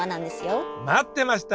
待ってました！